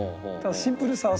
シンプルさは。